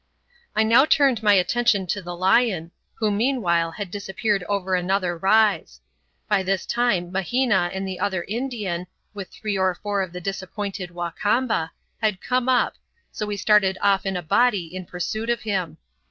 I now turned my attention to the lion, who meanwhile had disappeared over another rise. By this time Mahina and the other Indian, with three or four of the disappointed Wa Kamba, had come up, so we started off in a body in pursuit of him.